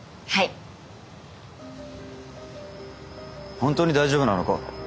本当に大丈夫なのか？